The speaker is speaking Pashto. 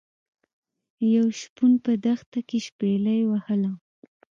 یو شپون په دښته کې شپيلۍ وهله.